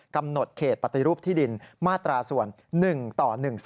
กำหนดเขตปฏิรูปที่ดินมาตราส่วน๑ต่อ๑๓